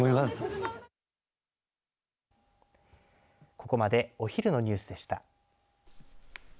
ここまでお昼のニュースでした。